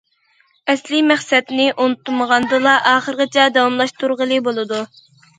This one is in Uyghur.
« ئەسلىي مەقسەتنى ئۇنتۇمىغاندىلا، ئاخىرغىچە داۋاملاشتۇرغىلى بولىدۇ».